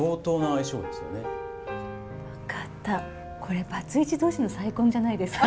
これバツ１同士の再婚じゃないですか？